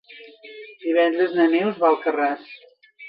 Divendres na Neus va a Alcarràs.